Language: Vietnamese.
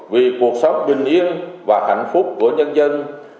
vì cuộc sống bình yên và hạnh phúc của nhân dân